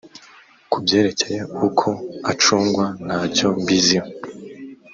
ku byerekeye uko acungwa ntacyo mbiziho